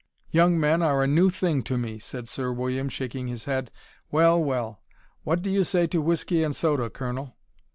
Young men are a new thing to me!" said Sir William, shaking his head. "Well, well! What do you say to whiskey and soda, Colonel?"